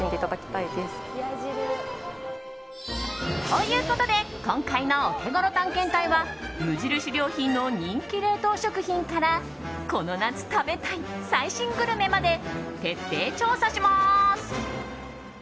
ということで今回のオテゴロ探検隊は無印良品の人気冷凍食品からこの夏食べたい最新グルメまで徹底調査します。